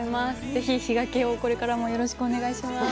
ぜひ比嘉家をこれからもよろしくお願いします。